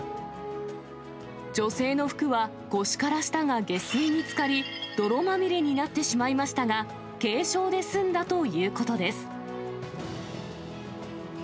女性の服は腰から下が下水につかり、泥まみれになってしまいましたが、軽傷で済んだということです。